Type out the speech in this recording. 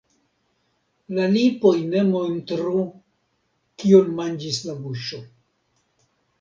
La lipoj ne montru, kion manĝis la buŝo.